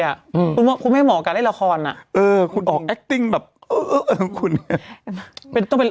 ใช่อ่ะคุณไม่เหมาะกับเล่นละครอ่ะเออคุณออกแอคติ้งแบบเออเออเออคุณเนี่ย